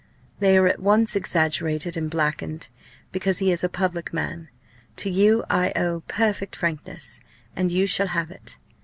They are at once exaggerated and blackened, because he is a public man. To you I owe perfect frankness, and you shall have it.